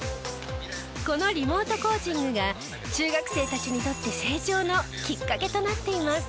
このリモートコーチングが中学生たちにとって成長のきっかけとなっています。